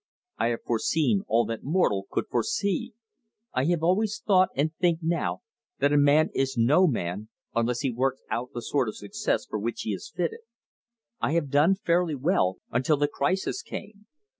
I have foreseen all that mortal could foresee. I have always thought, and think now, that a man is no man unless he works out the sort of success for which he is fitted. I have done fairly well until the crises came.